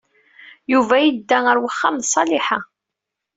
Yuba yedda ar uxxam d Ṣaliḥa.